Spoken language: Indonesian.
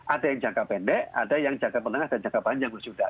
ada yang jangka pendek ada yang jangka menengah dan jangka panjang sudah